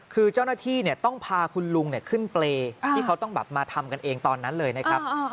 คือเจ้าหน้าที่ต้องพาคุณลุงขึ้นเปรย์ที่เขาต้องแบบมาทำกันเองตอนนั้นเลยนะครับ